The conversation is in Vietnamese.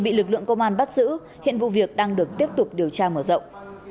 bị lực lượng công an bắt giữ hiện vụ việc đang được tiếp tục điều tra mở rộng